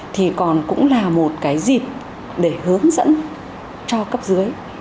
thì còn cũng là một cái dịp để hướng dẫn cho cấp dưới